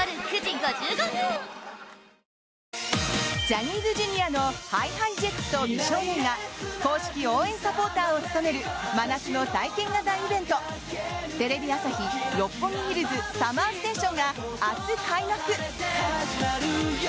ジャニーズＪｒ．のＨｉＨｉＪｅｔｓと美少年が公式応援サポーターを務める真夏の体験型イベント「テレビ朝日・六本木ヒルズＳＵＭＭＥＲＳＴＡＴＩＯＮ」が明日、開幕。